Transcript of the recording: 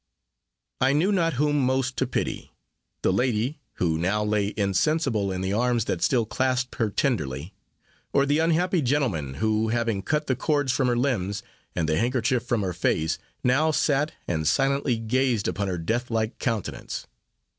I knew not whom most to pity the lady, who now lay insensible in the arms that still clasped her tenderly; or the unhappy gentleman, who having cut the cords from her limbs, and the handkerchief from her face, now sat and silently gazed upon her death like countenance.